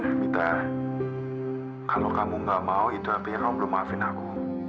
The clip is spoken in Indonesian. mita kalau kamu gak mau itu artinya kamu belum maafin aku